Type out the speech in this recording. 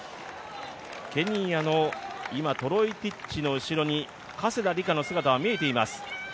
ケニアのトロイティッチの後ろに加世田梨花の姿は見えています。